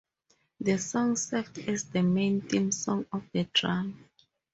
The song served as the main theme song of the drama.